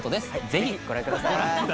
ぜひご覧ください